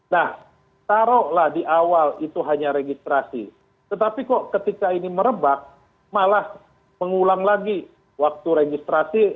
nah taruhlah di awal itu hanya registrasi tetapi kok ketika ini merebak malah mengulang lagi waktu registrasi